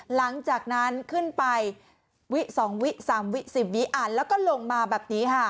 หลังจากนั้นขึ้นไปวิสองวิสามวิสิบวิอ่านแล้วก็ลงมาแบบนี้